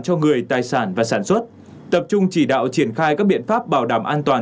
cho người tài sản và sản xuất tập trung chỉ đạo triển khai các biện pháp bảo đảm an toàn